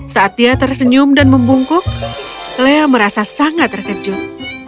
saat dia tersenyum dan membungkuk lea merasa sangat terkejut